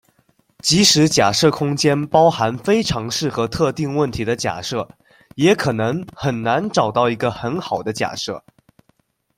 即使假设空间包含非常适合特定问题的假设，也可能很难找到一个很好的假设。